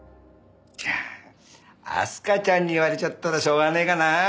じゃあ明日香ちゃんに言われちゃったらしょうがねえかなあ。